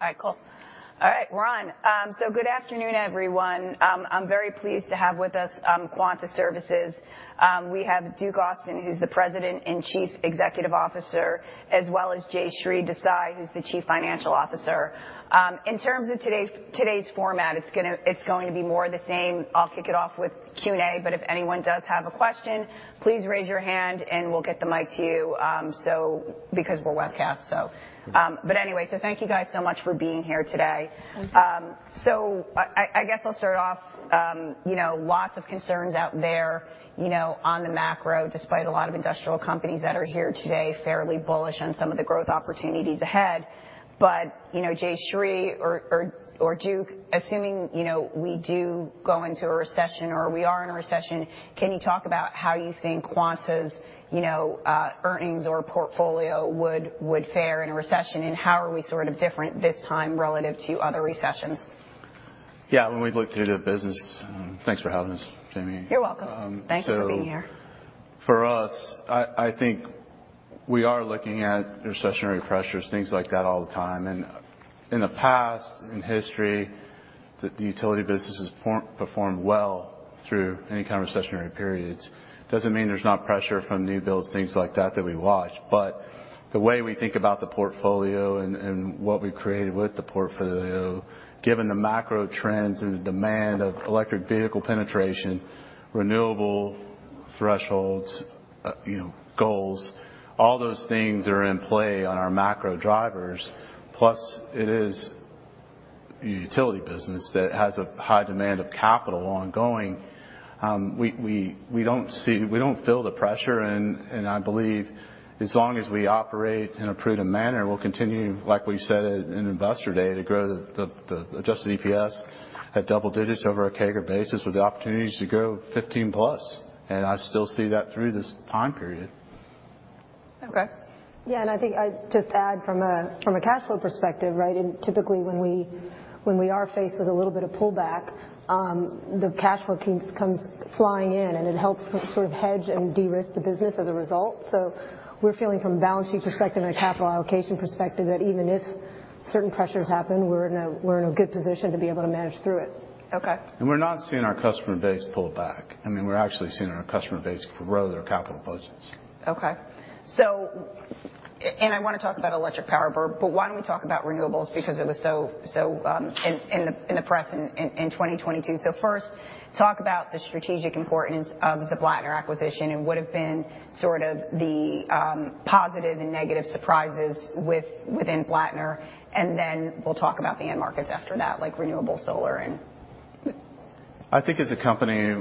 All right, cool. All right, we're on. Good afternoon, everyone. I'm very pleased to have with us, Quanta Services. We have Duke Austin, who's the President and Chief Executive Officer, as well as Jayshree Desai, who's the Chief Financial Officer. In terms of today's format, it's going to be more of the same. I'll kick it off with Q&A, but if anyone does have a question, please raise your hand, and we'll get the mic to you, because we're webcast. Anyway, thank you guys so much for being here today. Thank you. I guess I'll start off, you know, lots of concerns out there, you know, on the macro, despite a lot of industrial companies that are here today, fairly bullish on some of the growth opportunities ahead. You know, Jayshree or Duke, assuming, you know, we do go into a recession, or we are in a recession, can you talk about how you think Quanta's, you know, earnings or portfolio would fare in a recession? How are we sort of different this time relative to other recessions? Yeah. When we look through the business... thanks for having us, Jamie. You're welcome. Thank you for being here. For us, I think we are looking at recessionary pressures, things like that all the time. In the past, in history, the Utility business has performed well through any kind of recessionary periods. Doesn't mean there's not pressure from new builds, things like that we watch. The way we think about the portfolio and what we created with the portfolio, given the macro trends and the demand of electric vehicle penetration, renewable thresholds, you know, goals, all those things are in play on our macro drivers. Plus, it is the Utility business that has a high demand of capital ongoing. We don't feel the pressure. I believe as long as we operate in a prudent manner, we'll continue, like we said at an Investor Day, to grow the Adjusted EPS at double digits over a CAGR basis with the opportunities to grow 15+. I still see that through this time period. Okay. Yeah, I think I'd just add from a, from a cash flow perspective, right? Typically when we, when we are faced with a little bit of pullback, the cash flow comes flying in, and it helps sort of hedge and de-risk the business as a result. We're feeling from a balance sheet perspective and a capital allocation perspective that even if certain pressures happen, we're in a good position to be able to manage through it. Okay. We're not seeing our customer base pull back. I mean, we're actually seeing our customer base grow their capital budgets. Okay. And I wanna talk about Electric Power, but why don't we talk about renewables because it was so in the press in 2022. First, talk about the strategic importance of the Blattner acquisition and what have been sort of the positive and negative surprises within Blattner, and then we'll talk about the end markets after that, like renewable solar and... I think as a company,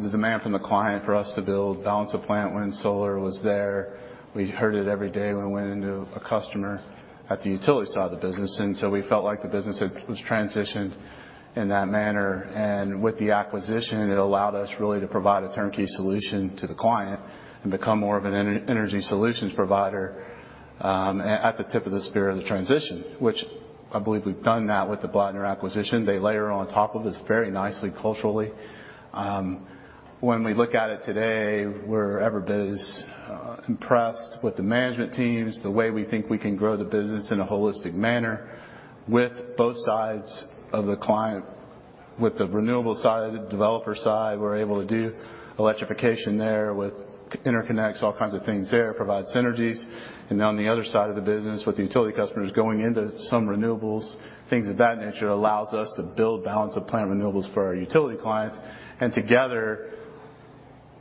the demand from the client for us to build balance of plant wind and solar was there. We heard it every day when we went into a customer at the Utility side of the business. We felt like the business was transitioned in that manner. With the acquisition, it allowed us really to provide a turnkey solution to the client and become more of an energy solutions provider at the tip of the spear of the transition, which I believe we've done that with the Blattner acquisition. They layer on top of us very nicely culturally. When we look at it today, we're every bit as impressed with the management teams, the way we think we can grow the business in a holistic manner with both sides of the client. With the renewable side, the developer side, we're able to do electrification there with interconnects, all kinds of things there, provide synergies. On the other side of the business with the Utility customers going into some renewables, things of that nature allows us to build balance of plant renewables for our Utility clients. Together,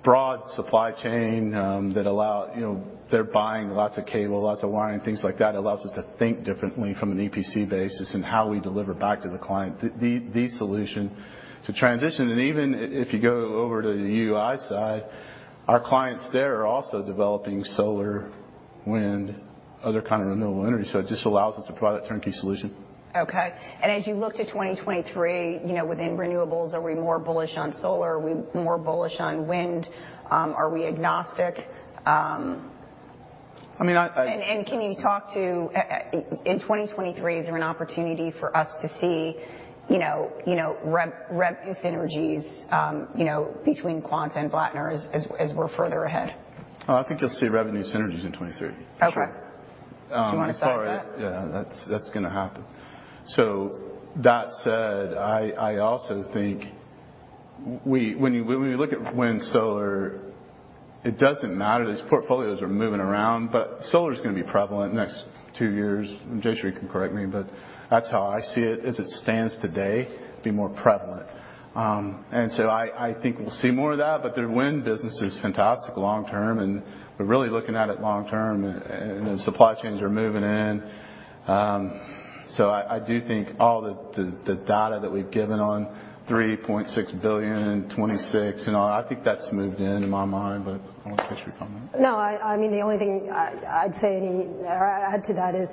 broad supply chain. You know, they're buying lots of cable, lots of wiring, things like that. Allows us to think differently from an EPC basis in how we deliver back to the client the solution to transition. Even if you go over to the UI side, our clients there are also developing solar, wind, other kind of renewable energy, so it just allows us to provide a turnkey solution. Okay. As you look to 2023, you know, within renewables, are we more bullish on solar? Are we more bullish on wind? Are we agnostic? I mean- Can you talk to, in 2023, is there an opportunity for us to see, you know, revenue synergies, you know, between Quanta and Blattner as we're further ahead? I think you'll see revenue synergies in 2023. Okay. Sure. Do you wanna talk to that? Yeah. That's, that's gonna happen. That said, I also think when you, when we look at wind and solar, it doesn't matter. These portfolios are moving around, but solar's gonna be prevalent next two years. Jayshree can correct me, but that's how I see it. As it stands today, it'll be more prevalent. I think we'll see more of that, but their wind business is fantastic long term, and we're really looking at it long term and the supply chains are moving in. I do think all the data that we've given on $3.6 billion and 2026 and all, I think that's moved in my mind, but I'll let Jayshree comment. I mean, the only thing I'd say any or add to that is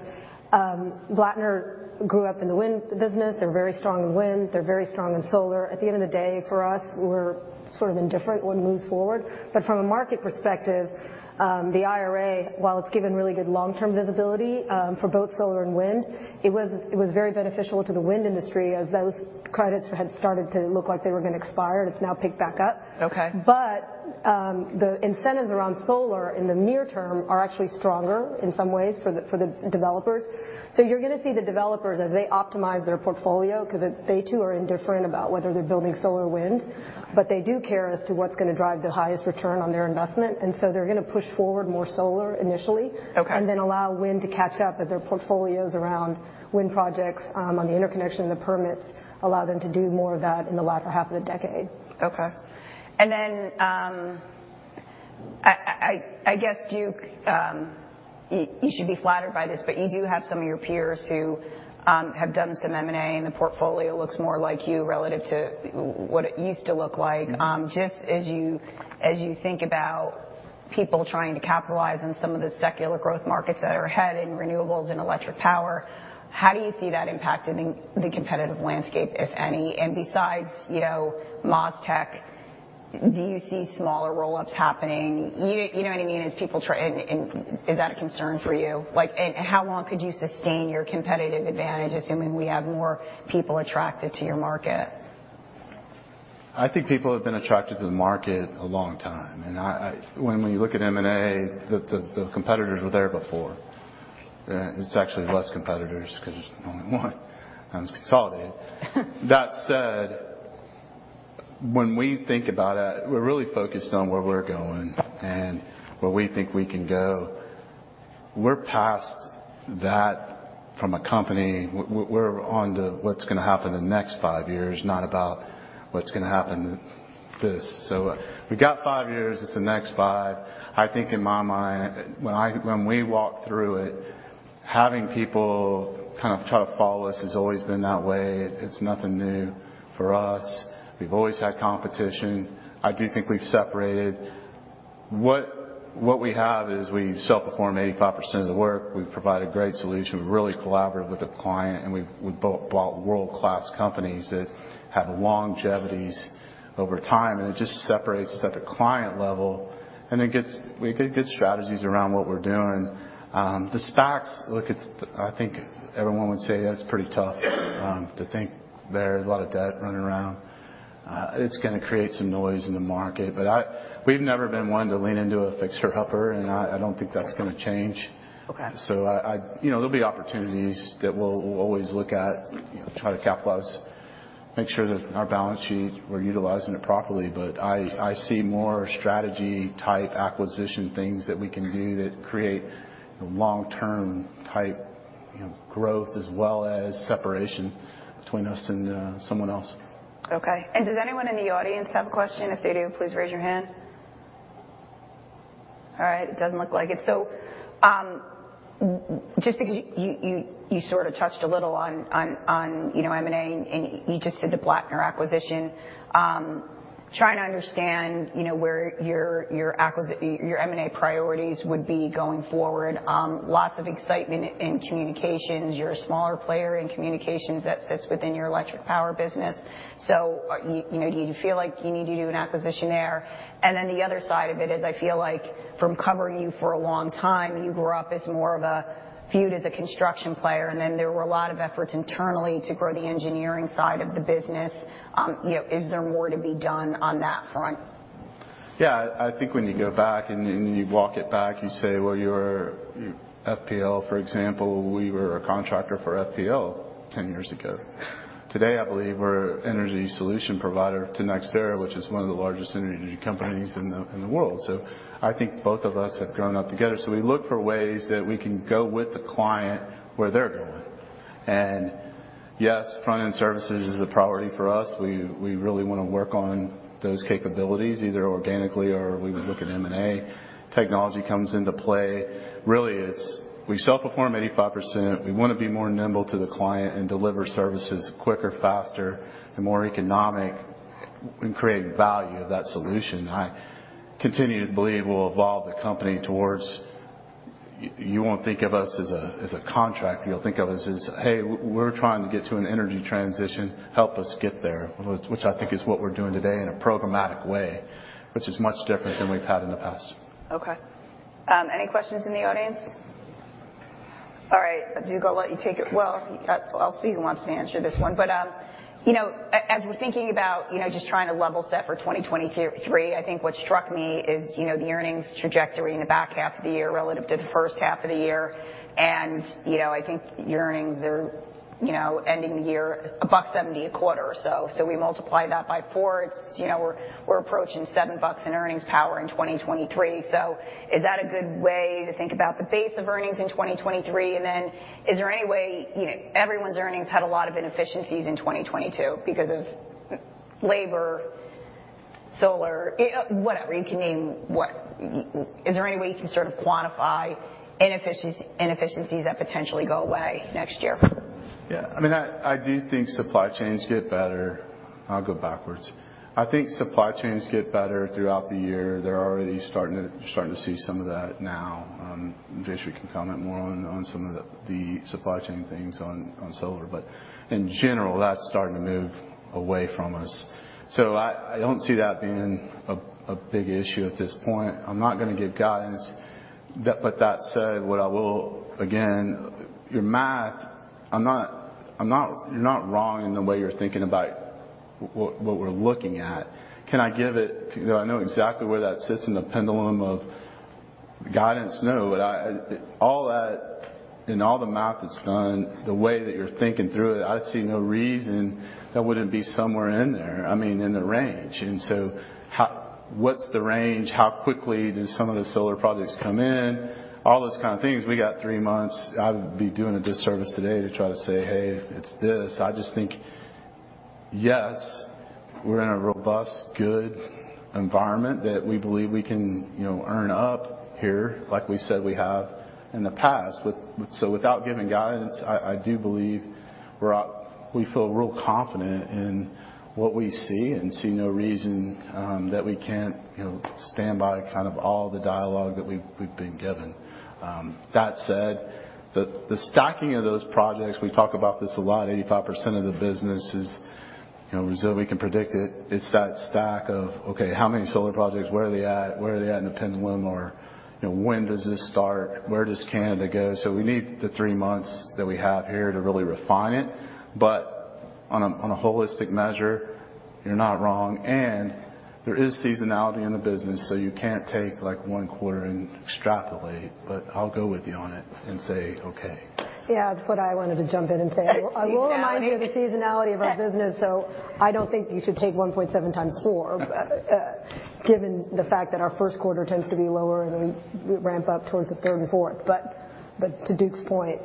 Blattner grew up in the wind business. They're very strong in wind. They're very strong in solar. At the end of the day, for us, we're sort of indifferent what moves forward. From a market perspective, the IRA, while it's given really good long-term visibility for both solar and wind, it was very beneficial to the wind industry as those credits had started to look like they were gonna expire, and it's now picked back up. Okay. The incentives around solar in the near term are actually stronger in some ways for the, for the developers. You're gonna see the developers as they optimize their portfolio 'cause they too are indifferent about whether they're building solar or wind. They do care as to what's gonna drive the highest return on their investment, they're gonna push forward more solar initially. Okay. Allow wind to catch up as their portfolios around wind projects, on the interconnection and the permits allow them to do more of that in the latter half of the decade. Okay. I guess, Duke, you should be flattered by this, but you do have some of your peers who have done some M&A, and the portfolio looks more like you relative to what it used to look like. Mm-hmm. Just as you think about people trying to capitalize on some of the secular growth markets that are ahead in renewables and electric power, how do you see that impacting the competitive landscape, if any? Besides, you know, MasTec, do you see smaller roll-ups happening? you know what I mean? Is that a concern for you? How long could you sustain your competitive advantage, assuming we have more people attracted to your market? I think people have been attracted to the market a long time. When you look at M&A, the competitors were there before. It's actually less competitors because there's only one and it's consolidated. That said, when we think about it, we're really focused on where we're going and where we think we can go. We're past that from a company. We're on to what's gonna happen in the next five years, not about what's gonna happen this. We've got five years. It's the next five. I think in my mind when we walk through it, having people kind of try to follow us has always been that way. It's nothing new for us. We've always had competition. I do think we've separated. What we have is we self-perform 85% of the work. We provide a great solution. We really collaborate with the client. We've built world-class companies that have longevities over time. It just separates us at the client level. We get good strategies around what we're doing. The stocks, look, I think everyone would say that's pretty tough to think there's a lot of debt running around. It's gonna create some noise in the market. We've never been one to lean into a fixer-upper. I don't think that's gonna change. Okay. I, you know, there'll be opportunities that we'll always look at, try to capitalize, make sure that our balance sheets, we're utilizing it properly. I see more strategy-type acquisition things that we can do that create long-term type, you know, growth as well as separation between us and someone else. Okay. Does anyone in the audience have a question? If they do, please raise your hand. All right, it doesn't look like it. Just because you sort of touched a little on, you know, M&A, and you just did the Blattner acquisition, trying to understand, you know, where your M&A priorities would be going forward. Lots of excitement in communications. You're a smaller player in communications that sits within your Electric Power business. You know, do you feel like you need to do an acquisition there? The other side of it is, I feel like from covering you for a long time, you grew up as viewed as a construction player, and then there were a lot of efforts internally to grow the engineering side of the business. You know, is there more to be done on that front? Yeah. I think when you go back and you walk it back, you say, well, you're FPL, for example. We were a contractor for FPL 10 years ago. Today, I believe we're an energy solution provider to NextEra, which is one of the largest energy companies in the world. I think both of us have grown up together. We look for ways that we can go with the client where they're going. Yes, front-end services is a priority for us. We really wanna work on those capabilities, either organically or we would look at M&A. Technology comes into play. Really, it's we self-perform 85%. We wanna be more nimble to the client and deliver services quicker, faster and more economic in creating value of that solution. I continue to believe we'll evolve the company towards... You won't think of us as a, as a contract. You'll think of us as, "Hey, we're trying to get to an energy transition. Help us get there." Which I think is what we're doing today in a programmatic way, which is much different than we've had in the past. Okay. Any questions in the audience? All right, Duke, I'll let you take it. Well, I'll see who wants to answer this one. As we're thinking about, you know, just trying to level set for 2023, I think what struck me is, you know, the earnings trajectory in the back half of the year relative to the first half of the year. You know, I think your earnings are, you know, ending the year $1.70 a quarter or so. We multiply that by four. It's, you know, we're approaching $7 in earnings power in 2023. Is that a good way to think about the base of earnings in 2023? Is there any way, you know, everyone's earnings had a lot of inefficiencies in 2022 because of labor, solar, whatever you can name what. Is there any way you can sort of quantify inefficiencies that potentially go away next year? Yeah. I mean, I do think supply chains get better. I'll go backwards. I think supply chains get better throughout the year. They're already starting to see some of that now. Jayshree can comment more on some of the supply chain things on solar. In general, that's starting to move away from us. I don't see that being a big issue at this point. I'm not gonna give guidance. That said, what I will, again, your math, I'm not wrong in the way you're thinking about what we're looking at. Do I know exactly where that sits in the pendulum of guidance? No. All that and all the math that's done, the way that you're thinking through it, I see no reason that wouldn't be somewhere in there, I mean, in the range. What's the range? How quickly do some of the solar projects come in? All those kinds of things. We got three months. I would be doing a disservice today to try to say, "Hey, it's this." Yes, we're in a robust, good environment that we believe we can, you know, earn up here, like we said we have in the past. Without giving guidance, I do believe we feel real confident in what we see and see no reason that we can't, you know, standby kind of all the dialogue that we've been given. That said, the stacking of those projects, we talk about this a lot, 85% of the business is, you know, we can predict it. It's that stack of, okay, how many solar projects? Where are they at? Where are they at in the pinwheel or, you know, when does this start? Where does Canada go? We need the three months that we have here to really refine it. On a holistic measure, you're not wrong. There is seasonality in the business, so you can't take, like, one quarter and extrapolate. I'll go with you on it and say, "Okay. Yeah, I wanted to jump in and say... Seasonality. I will remind you of the seasonality of our business, so I don't think you should take $1.7 x 4 given the fact that our first quarter tends to be lower, and then we ramp up towards the third and fourth. To Duke's point,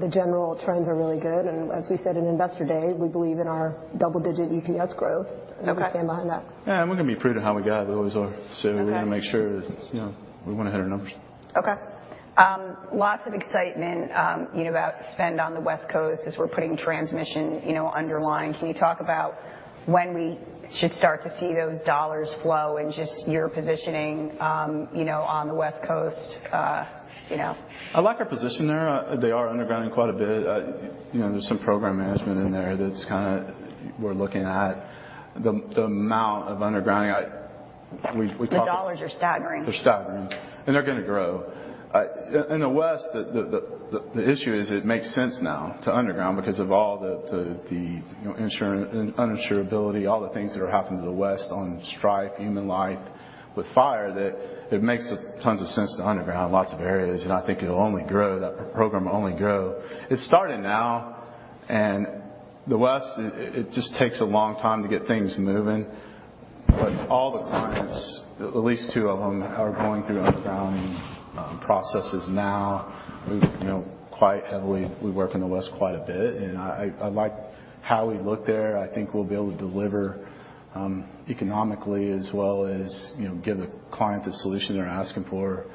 the general trends are really good. As we said in Investor Day, we believe in our double-digit EPS growth. Okay. We stand behind that. Yeah, we're gonna be prudent how we guide, we always are. Okay. We're gonna make sure that, you know, we went ahead of numbers. Lots of excitement, you know, about spend on the West Coast as we're putting transmission, you know, underlying. Can you talk about when we should start to see those dollars flow and just your positioning, you know, on the West Coast, you know? I like our position there. They are undergrounding quite a bit. You know, there's some program management in there that's kind of we're looking at. The amount of undergrounding, we talked about. The dollars are staggering. They're staggering, and they're gonna grow. In the West, the issue is it makes sense now to underground because of all the, you know, uninsurability, all the things that are happening to the West on strife, human life, with fire, that it makes tons of sense to underground lots of areas. I think it'll only grow. That program will only grow. It's starting now. The West, it just takes a long time to get things moving. All the clients, at least two of them, are going through undergrounding processes now. We've, you know, quite heavily, we work in the West quite a bit, and I like how we look there. I think we'll be able to deliver economically as well as, you know, give the client the solution they're asking for.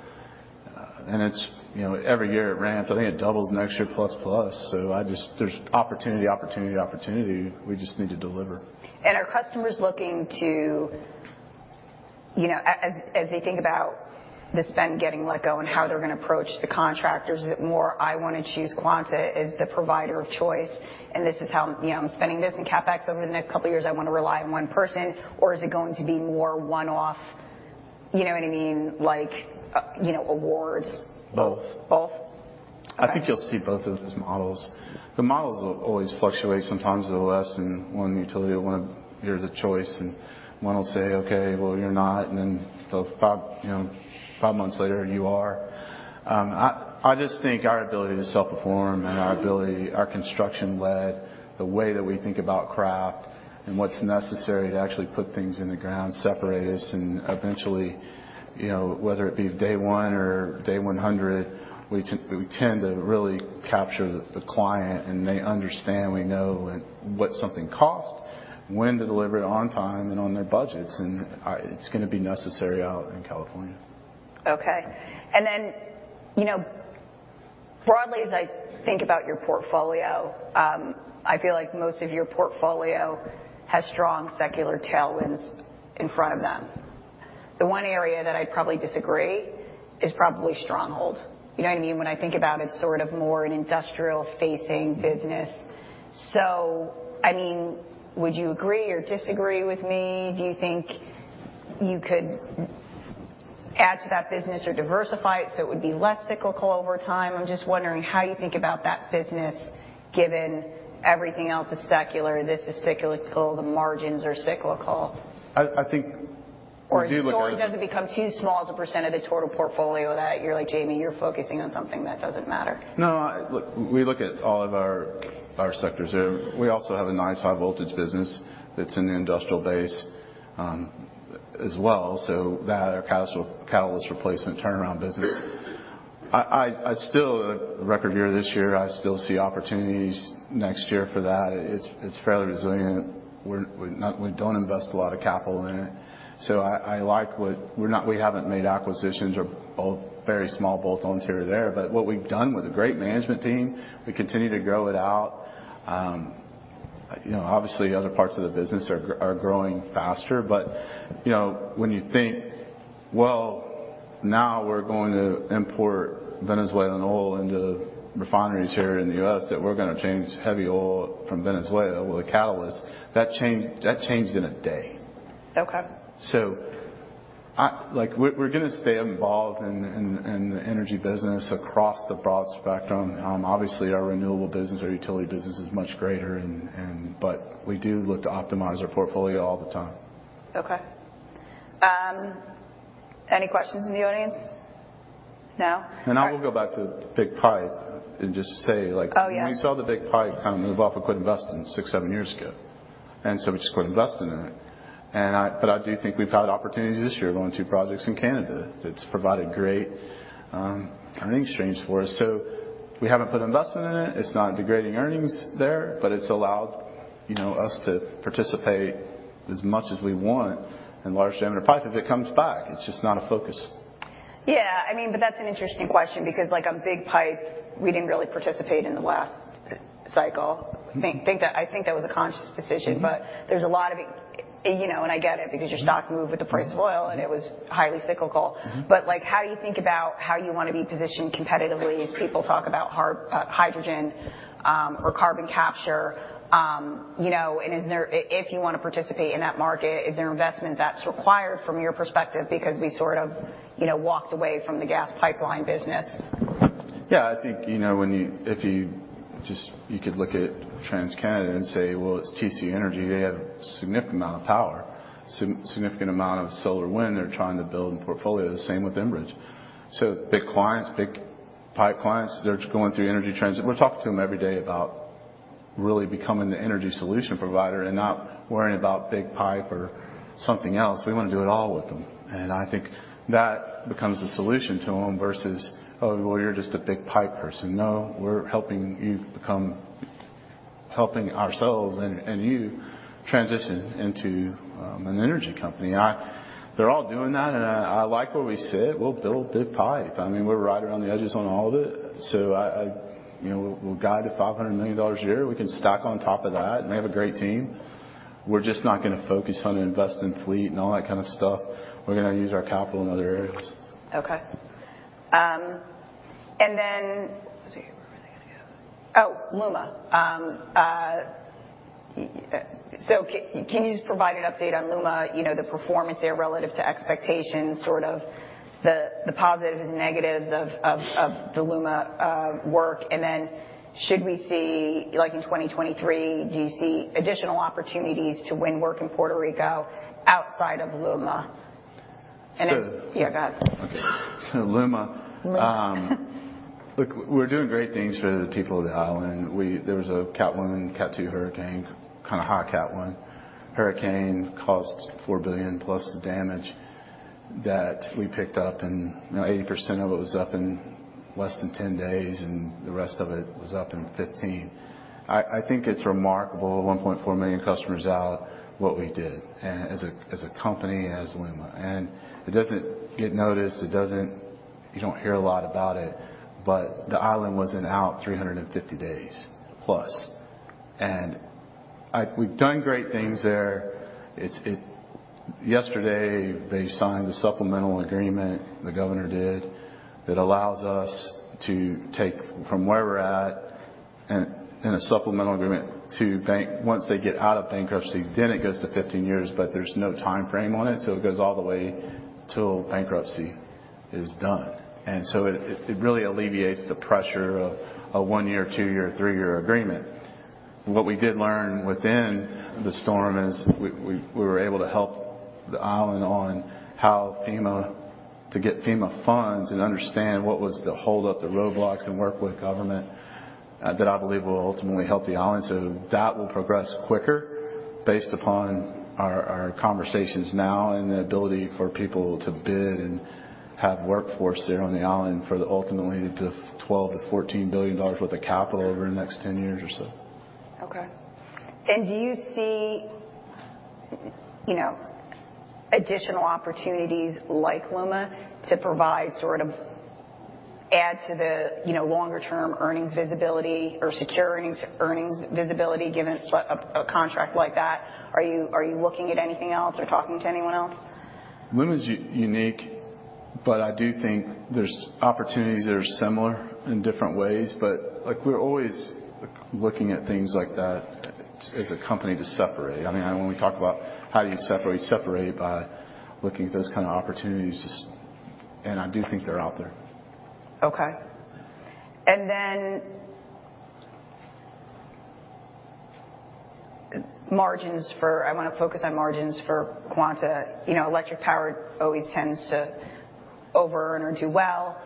It's, you know, every year it ramps. I think it doubles next year plus plus. There's opportunity, opportunity. We just need to deliver. Are customers looking to, you know, as they think about the spend getting let go and how they're gonna approach the contractors, is it more, "I wanna choose Quanta as the provider of choice, and this is how, you know, I'm spending this in CapEx over the next couple of years, I wanna rely on one person"? Or is it going to be more one-off? You know what I mean? Like, you know, awards. Both. Both? I think you'll see both of those models. The models will always fluctuate, sometimes they'll lessen. One Utility will wanna hear the choice, and one will say, "Okay, well, you're not." Then they'll five, you know, five months later, you are. I just think our ability to self-perform and our ability, our construction led, the way that we think about craft and what's necessary to actually put things in the ground separate us. Eventually, you know, whether it be day one or day 100, we tend to really capture the client, and they understand we know what something costs, when to deliver it on time and on their budgets. It's gonna be necessary out in California. Okay. Then, you know, broadly, as I think about your portfolio, I feel like most of your portfolio has strong secular tailwinds in front of them. The one area that I'd probably disagree is probably Stronghold. You know what I mean? When I think about it, sort of more an industrial-facing business. I mean, would you agree or disagree with me? Do you think you could add to that business or diversify it, so it would be less cyclical over time? I'm just wondering how you think about that business, given everything else is secular, this is cyclical, the margins are cyclical. I think we do. Does it become too small as a percent of the total portfolio that you're like, Jamie, you're focusing on something that doesn't matter. No, look, we look at all of our sectors. We also have a nice high-voltage business that's in the industrial base as well. That or catalyst replacement turnaround business. Record year this year, I still see opportunities next year for that. It's fairly resilient. We don't invest a lot of capital in it. I like what. We haven't made acquisitions or both very small bolt-ons here or there. What we've done with a great management team, we continue to grow it out. You know, obviously other parts of the business are growing faster. You know, when you think, well, now we're going to import Venezuelan oil into refineries here in the U.S., that we're gonna change heavy oil from Venezuela with a catalyst, that changed in a day. Okay. We're gonna stay involved in the energy business across the broad spectrum. Obviously, our Renewable business, our Utility Infrastructure business is much greater and. We do look to optimize our portfolio all the time. Okay. Any questions in the audience? No. All right. I will go back to big pipe and just say, like. Oh, yeah. When we saw the big pipe kind of move up, we quit investing six, seven years ago. We just quit investing in it. But I do think we've had opportunities this year going to projects in Canada that's provided great, earning streams for us. We haven't put investment in it's not degrading earnings there, but it's allowed, you know, us to participate as much as we want in large diameter pipe if it comes back. It's just not a focus. Yeah. I mean, that's an interesting question because like on big pipe, we didn't really participate in the last cycle. Mm-hmm. I think that was a conscious decision. Mm-hmm. There's a lot of it, you know, and I get it because your stock moved with the price of oil, and it was highly cyclical. Mm-hmm. Like how you think about how you wanna be positioned competitively as people talk about hydrogen or carbon capture, you know, and is there if you wanna participate in that market, is there investment that's required from your perspective because we sort of, you know, walked away from the gas pipeline business? Yeah. I think, you know, if you just... you could look at TransCanada and say, "Well, it's TC Energy. They have a significant amount of power, significant amount of solar wind they're trying to build in portfolio." The same with Enbridge. Big clients, big pipe clients, they're going through energy transit. We're talking to them every day about really becoming the energy solution provider and not worrying about big pipe or something else. We wanna do it all with them. I think that becomes a solution to them versus, "Oh, well, you're just a big pipe person." No, we're helping ourselves and you transition into an energy company. They're all doing that, and I like where we sit. We'll build big pipe. I mean, we're right around the edges on all of it. I... You know, we're guided $500 million a year. We can stack on top of that. We have a great team. We're just not gonna focus on investing in fleet and all that kind of stuff. We're gonna use our capital in other areas. Okay. Where were we gonna go? Oh, LUMA. Can you just provide an update on LUMA, you know, the performance there relative to expectations, sort of the positive and negatives of the LUMA work? Should we see, like in 2023, do you see additional opportunities to win work in Puerto Rico outside of LUMA? So- Yeah, go ahead. Okay. LUMA. LUMA. look, we're doing great things for the people of the island. We, there was a Category 1, Category 2 hurricane, kind of high Category 1 hurricane, caused $4 billion+ damage that we picked up, and, you know, 80% of it was up in less than 10 days, and the rest of it was up in 15 days. I think it's remarkable, 1.4 million customers out, what we did as a company and as LUMA. It doesn't get noticed, it doesn't. You don't hear a lot about it, but the island wasn't out 350 days plus. I we've done great things there. It's. Yesterday, they signed a supplemental agreement, the governor did, that allows us to take from where we're at in a supplemental agreement once they get out of bankruptcy, then it goes to 15 years, but there's no timeframe on it, so it goes all the way till bankruptcy is done. It really alleviates the pressure of a one-year, two-year, three-year agreement. What we did learn within the storm is we were able to help the island on how to get FEMA funds and understand what was the holdup, the roadblocks, and work with government that I believe will ultimately help the island. That will progress quicker based upon our conversations now and the ability for people to bid and have workforce there on the island for ultimately the $12 billion-$14 billion worth of capital over the next 10 years or so. Okay. Do you see, you know, additional opportunities like LUMA to provide sort of add to the, you know, longer term earnings visibility or secure earnings visibility given a contract like that? Are you looking at anything else or talking to anyone else? LUMA is unique, but I do think there's opportunities that are similar in different ways. Like, we're always looking at things like that as a company to separate. I mean, when we talk about how do you separate by looking at those kind of opportunities. I do think they're out there. I wanna focus on margins for Quanta. You know, Electric Power always tends to over earn or do well.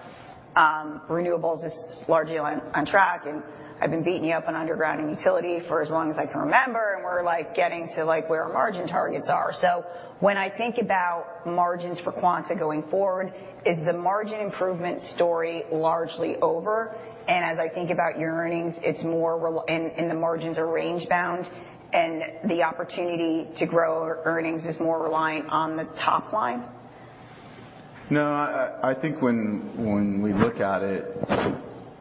Renewables is largely on track, and I've been beating you up on underground and Utility for as long as I can remember, and we're, like, getting to, like, where our margin targets are. When I think about margins for Quanta going forward, is the margin improvement story largely over? As I think about your earnings, it's more and the margins are range bound, and the opportunity to grow earnings is more reliant on the top line. I think when we look at it,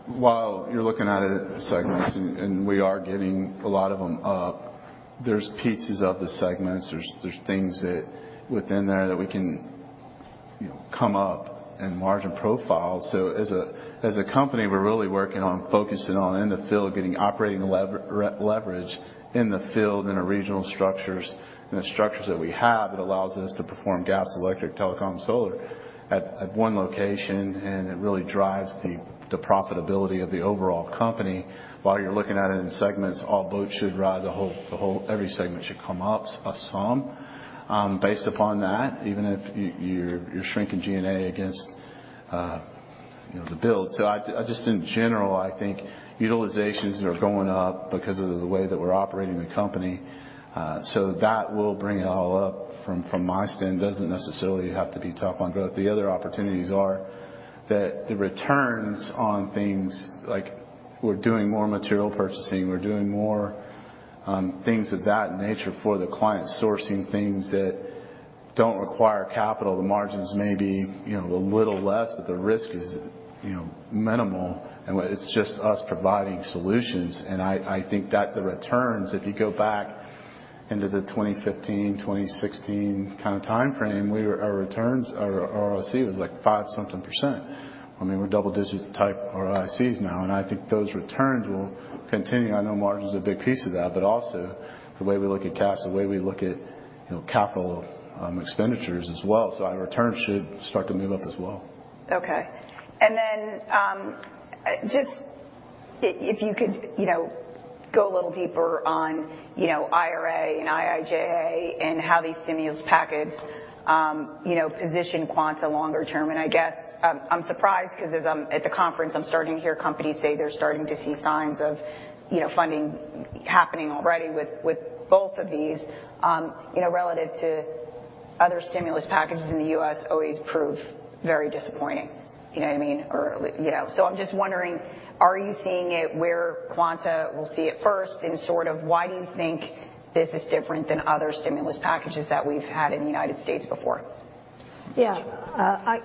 while you're looking at it in segments, and we are giving a lot of them up, there's pieces of the segments, there's things that within there that we can, you know, come up in margin profiles. As a company, we're really working on focusing on in the field, getting operating re-leverage in the field, in the regional structures, in the structures that we have that allows us to perform gas, electric, telecom, solar at one location, and it really drives the profitability of the overall company. While you're looking at it in segments, all boats should rise, the whole every segment should come up a some. Based upon that, even if you're shrinking G&A against, You know, to build. I just in general, I think utilizations are going up because of the way that we're operating the company. That will bring it all up from my stand. Doesn't necessarily have to be tough on growth. The other opportunities are that the returns on things like we're doing more material purchasing, we're doing more things of that nature for the client, sourcing things that don't require capital. The margins may be, you know, a little less, but the risk is, you know, minimal. It's just us providing solutions. I think that the returns, if you go back into the 2015, 2016 kind of timeframe, our returns, our ROC was like 5% something. I mean, we're double-digit type ROCs now, and I think those returns will continue. I know margin's a big piece of that, but also the way we look at cash, the way we look at, you know, capital expenditures as well. Our returns should start to move up as well. Okay. Then, if you could, you know, go a little deeper on, you know, IRA and IIJA and how these stimulus package, you know, position Quanta longer term. I guess, I'm surprised 'cause as I'm at the conference, I'm starting to hear companies say they're starting to see signs of, you know, funding happening already with both of these, you know, relative to other stimulus packages in the U.S. always prove very disappointing. You know what I mean? You know. I'm just wondering, are you seeing it where Quanta will see it first? Sort of why do you think this is different than other stimulus packages that we've had in the United States before? Yeah.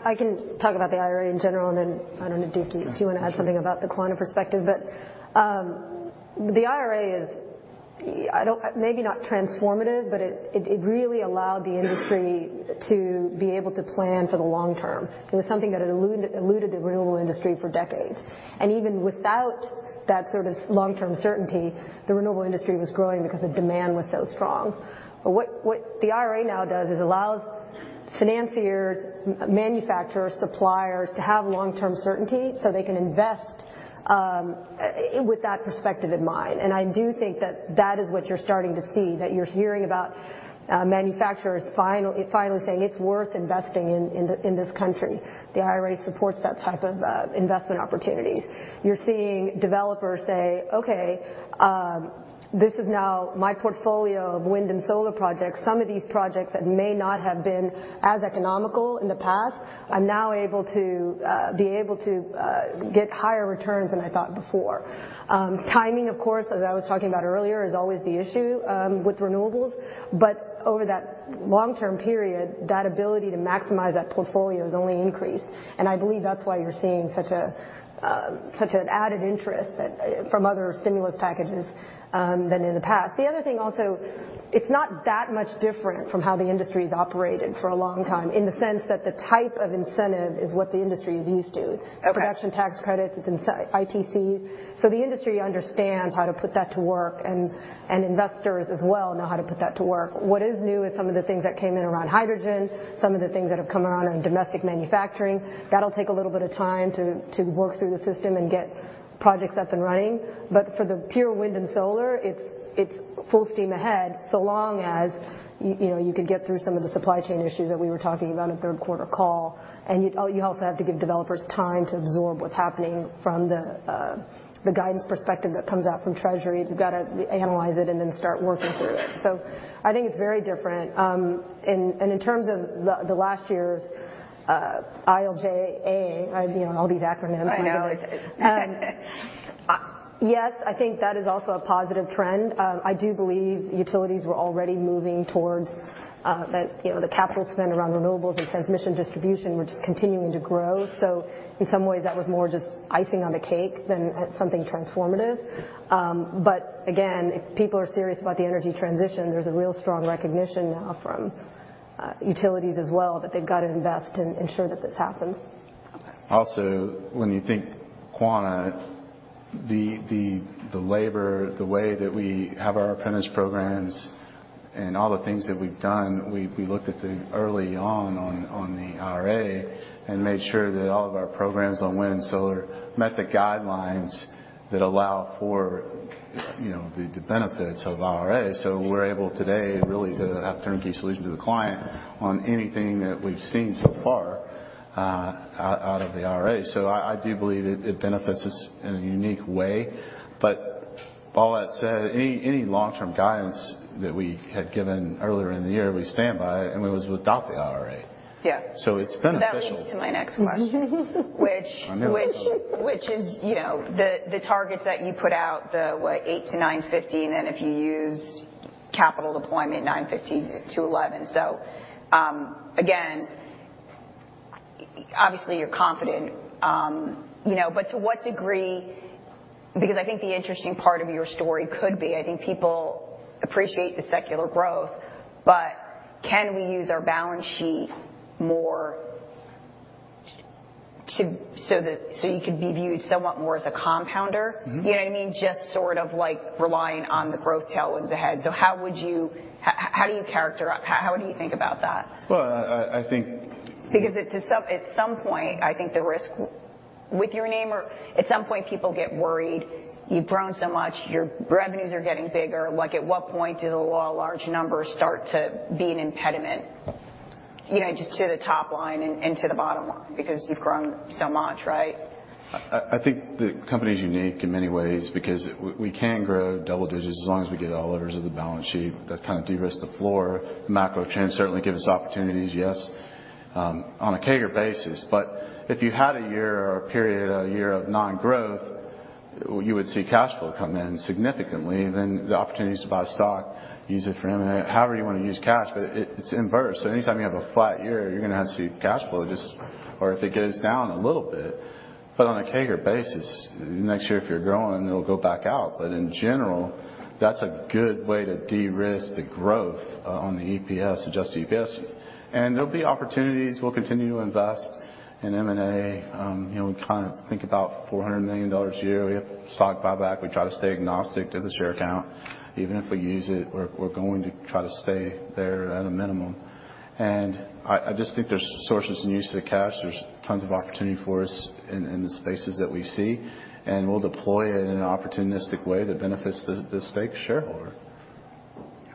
I can talk about the IRA in general, and then I don't know, Duke, if you wanna add something about the Quanta perspective. The IRA is, maybe not transformative, but it, it really allowed the industry to be able to plan for the long term. It was something that had eluded the renewable industry for decades. Even without that sort of long-term certainty, the renewable industry was growing because the demand was so strong. What the IRA now does is allows financiers, manufacturers, suppliers to have long-term certainty so they can invest with that perspective in mind. I do think that that is what you're starting to see, that you're hearing about, manufacturers finally saying it's worth investing in this country. The IRA supports that type of investment opportunities. You're seeing developers say, "Okay, this is now my portfolio of wind and solar projects. Some of these projects that may not have been as economical in the past, I'm now able to be able to get higher returns than I thought before." Timing, of course, as I was talking about earlier, is always the issue with renewables. Over that long-term period, that ability to maximize that portfolio has only increased, and I believe that's why you're seeing such a such an added interest from other stimulus packages than in the past. The other thing also, it's not that much different from how the industry's operated for a long time, in the sense that the type of incentive is what the industry is used to. Okay. Production tax credits, it's ITC. The industry understands how to put that to work, and investors as well know how to put that to work. What is new is some of the things that came in around hydrogen, some of the things that have come around on domestic manufacturing. That'll take a little bit of time to work through the system and get projects up and running. For the pure wind and solar, it's full steam ahead, so long as you know, you could get through some of the supply chain issues that we were talking about in third quarter call. You also have to give developers time to absorb what's happening from the guidance perspective that comes out from Treasury. They've gotta analyze it and then start working through it. I think it's very different. In terms of the last year's, IIJA, I, you know, all these acronyms. I know. Yes, I think that is also a positive trend. I do believe utilities were already moving towards that, you know, the capital spend around renewables and transmission distribution were just continuing to grow. In some ways, that was more just icing on the cake than something transformative. Again, if people are serious about the energy transition, there's a real strong recognition now from utilities as well that they've got to invest and ensure that this happens. Also, when you think Quanta, the labor, the way that we have our apprentice programs and all the things that we've done, we looked at the early on the IRA and made sure that all of our programs on wind, solar met the guidelines that allow for, you know, the benefits of IRA. We're able today really to have turnkey solution to the client on anything that we've seen so far out of the IRA. I do believe it benefits us in a unique way. All that said, any long-term guidance that we had given earlier in the year, we stand by it, and it was without the IRA. Yeah. It's beneficial- That leads to my next question. I knew it would. which is, you know, the targets that you put out, the what, $8.50-$9.50, and then if you use capital deployment, $9.50-$11.00. Again, obviously you're confident, you know. To what degree-- I think the interesting part of your story could be, I think people appreciate the secular growth, but can we use our balance sheet more to so that you could be viewed somewhat more as a compounder? Mm-hmm. You know what I mean? Just sort of like relying on the growth tailwinds ahead. How would you think about that? Well, I- At some point, I think the risk with your name or at some point people get worried you've grown so much, your revenues are getting bigger. Like, at what point do the law of large numbers start to be an impediment? You know, just to the top line and to the bottom line, because you've grown so much, right? I think the company's unique in many ways because we can grow double digits as long as we get all levers of the balance sheet. That's kind of de-risk the floor. The macro trends certainly give us opportunities, yes, on a CAGR basis. If you had a year or a period or a year of non-growth, you would see cash flow come in significantly, then the opportunities to buy stock, use it for M&A, however you wanna use cash, but it's inverse. Anytime you have a flat year, you're gonna have to see cash flow. Or if it goes down a little bit. On a CAGR basis, next year if you're growing, it'll go back out. In general, that's a good way to de-risk the growth on the EPS, Adjusted EPS. There'll be opportunities. We'll continue to invest in M&A. You know, we kind of think about $400 million a year. We have stock buyback. We try to stay agnostic to the share count. Even if we use it, we're going to try to stay there at a minimum. I just think there's sources and uses of cash. There's tons of opportunity for us in the spaces that we see, and we'll deploy it in an opportunistic way that benefits the stakeholder.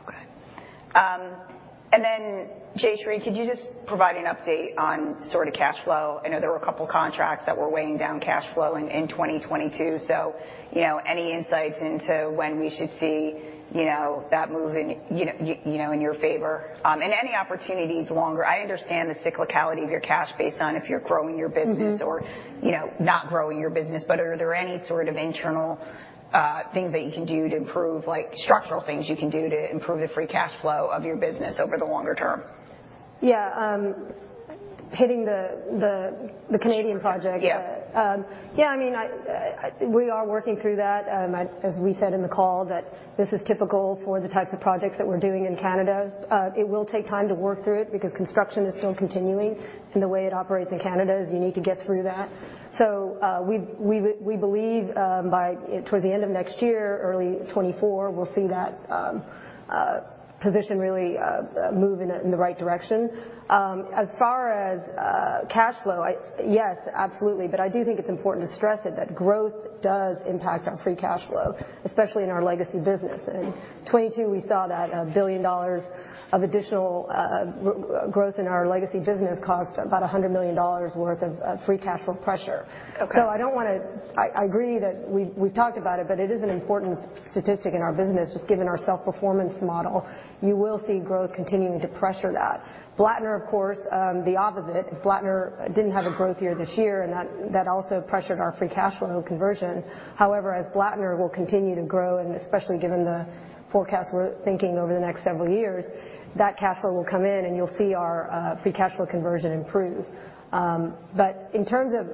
Okay. Jayshree, could you just provide an update on sort of cash flow? I know there were a couple of contracts that were weighing down cash flow in 2022. You know, any insights into when we should see, you know, that moving, you know, in your favor? Any opportunities longer. I understand the cyclicality of your cash based on if you're growing your business. Mm-hmm. you know, not growing your business, but are there any sort of internal things that you can do to improve, like structural things you can do to improve the free cash flow of your business over the longer term? Yeah. Hitting the Canadian project. Yeah. Yeah, I mean, I, we are working through that. As we said in the call, that this is typical for the types of projects that we're doing in Canada. It will take time to work through it because construction is still continuing. The way it operates in Canada is you need to get through that. We believe by towards the end of next year, early 2024, we'll see that position really move in the right direction. As far as cash flow, yes, absolutely. I do think it's important to stress it, that growth does impact our free cash flow, especially in our legacy business. In 2022, we saw that $1 billion of additional growth in our legacy business cost about $100 million worth of free cash flow pressure. Okay. I don't wanna... I agree that we've talked about it, but it is an important statistic in our business, just given our self-performance model. You will see growth continuing to pressure that. Blattner, of course, the opposite. Blattner didn't have a growth year this year, and that also pressured our free cash flow conversion. However, as Blattner will continue to grow, and especially given the forecast we're thinking over the next several years, that cash flow will come in, and you'll see our free cash flow conversion improve. In terms of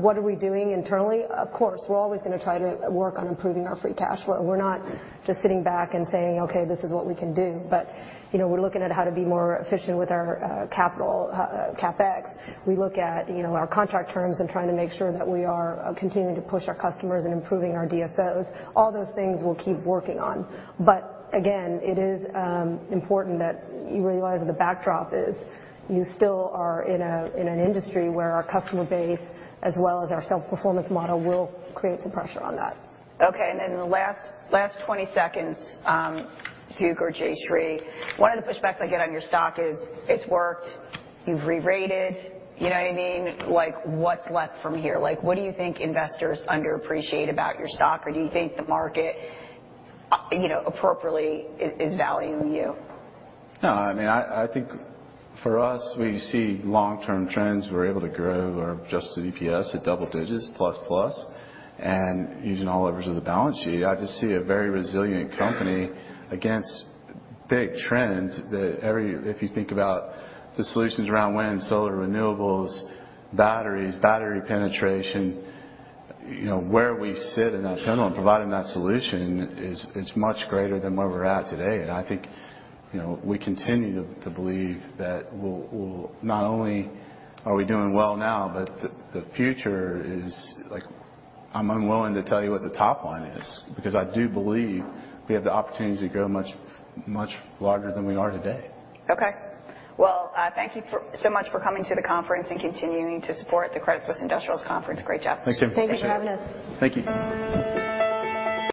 what are we doing internally? Of course, we're always gonna try to work on improving our free cash flow. We're not just sitting back and saying, "Okay, this is what we can do." You know, we're looking at how to be more efficient with our capital, CapEx. We look at, you know, our contract terms and trying to make sure that we are continuing to push our customers and improving our DSOs. All those things we'll keep working on. Again, it is important that you realize what the backdrop is. You still are in a, in an industry where our customer base, as well as our self-performance model, will create some pressure on that. Okay. Then the last 20 seconds, Duke or Jayshree, one of the pushbacks I get on your stock is it's worked, you've re-rated, you know what I mean? Like, what's left from here? Like, what do you think investors underappreciate about your stock or do you think the market, you know, appropriately is valuing you? No, I mean, I think for us, we see long-term trends. We're able to grow our Adjusted EPS at double-digits plus plus. Using all levers of the balance sheet, I just see a very resilient company against big trends. If you think about the solutions around wind, solar, renewables, batteries, battery penetration, you know, where we sit in that funnel and providing that solution is much greater than where we're at today. I think, you know, we continue to believe that not only are we doing well now, but the future is, like, I'm unwilling to tell you what the top line is, because I do believe we have the opportunity to grow much, much larger than we are today. Okay. Well, thank you so much for coming to the conference and continuing to support the Credit Suisse Industrials Conference. Great job. Thanks. Thank you for having us. Thank you.